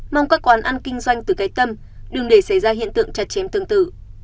mong các quán ăn kinh doanh từ cái tâm đừng để xảy ra hiện tượng chặt chém tương tự